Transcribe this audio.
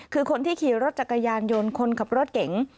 คือคนที่ขี่รถจักรยานยนต์คนขับรถเก๋ง